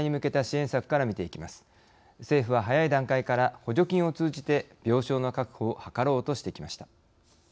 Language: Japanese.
政府は早い段階から補助金を通じて病床の確保を図ろうとしてきました。